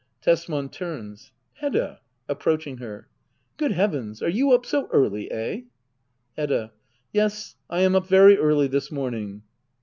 Tesman. [Turns.] Hedda! [Approaching her.] Good heavens — are you up so early ? Eh ? Hedda. Yes^ I am up very early this morning.